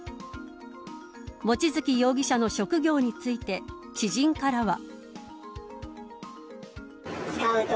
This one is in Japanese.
望月容疑者の職業について知人からは。